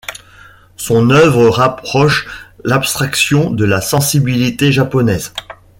Son œuvre rapproche l'abstraction de la sensibilité japonaise.